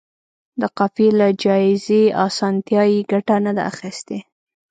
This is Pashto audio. د قافیې له جائزې اسانتیا یې ګټه نه ده اخیستې.